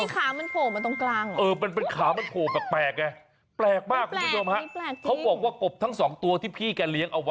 พริกขาเปล่าพวกนู้นขาโผล่มาตรงกลาง